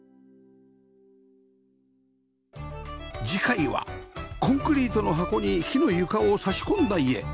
次回はコンクリートの箱に木の床を差し込んだ家